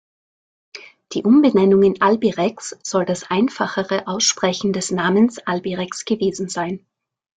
Die Umbenennung in Albirex soll das einfachere Aussprechen des Namens Albirex gewesen sein.